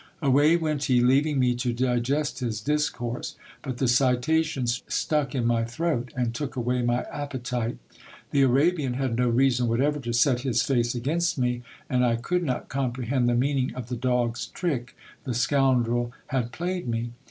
Away went he, leaving me to digest his discourse ; but the citation stuck in my throat, and took away my appetite. The Arabian had no reason whatever to set his face against me ; and I could not comprehend the meaning of the dog's trick the scoundrel had played me.